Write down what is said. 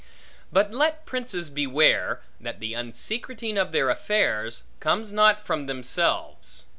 But let princes beware, that the unsecreting of their affairs, comes not from themselves.